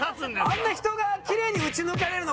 あんな人がキレイに撃ち抜かれるの